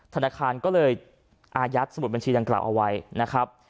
ธนาคารก็เลยอายัดสมุดบัญชีดังกล่าวเอาไว้นะครับ